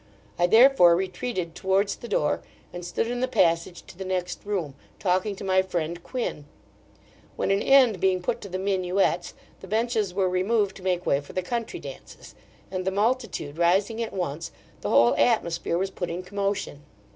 I therefore retreated towards the door, and stood in the passage to the next room, talking to my friend Quin; when an end being put to the minuets, the benches were removed to make way for the country dances; and the multitude rising at once, the whole atmosphere was put in commotion.